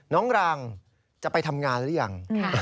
น้องหลังจะไปทำงานหรือยัง